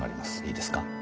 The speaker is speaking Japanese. いいですか？